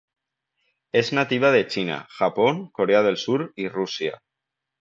Es nativa de China, Japón, Corea del Sur y Rusia.